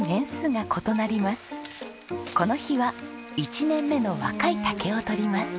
この日は１年目の若い竹を採ります。